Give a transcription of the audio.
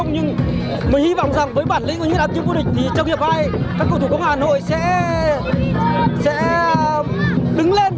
nhưng mình hi vọng rằng với bản lĩnh của những đám chiếm vua địch thì trong hiệp hai các cầu thủ công an hà nội sẽ đứng lên